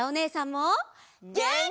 げんき！